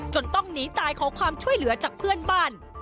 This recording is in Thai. ต้องหนีตายขอความช่วยเหลือจากเพื่อนบ้าน